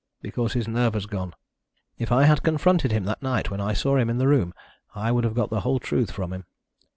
"Because his nerve has gone. If I had confronted him that night when I saw him in the room I would have got the whole truth from him."